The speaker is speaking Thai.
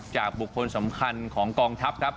จากบุคคลสำคัญของกองทัพครับ